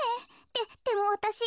ででもわたし。